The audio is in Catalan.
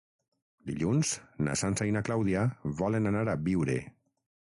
Dilluns na Sança i na Clàudia volen anar a Biure.